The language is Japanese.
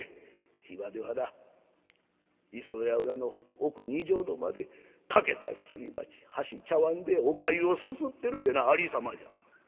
今ではな磯屋裏の奥二畳の間で欠けたすり鉢箸茶わんでおかゆをすすってるてなありさまじゃ。